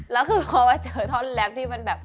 แล้วคือเขามาเจอท่อนแรกที่มันแบบ